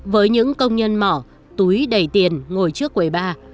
với những công nhân mỏ túi đầy tiền ngồi trước quầy ba